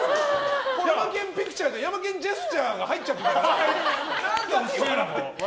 ヤマケン・ピクチャーでヤマケン・ジェスチャーが入っちゃってた。